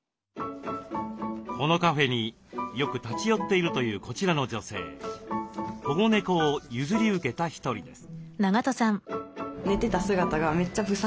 このカフェによく立ち寄っているというこちらの女性保護猫を譲り受けた一人です。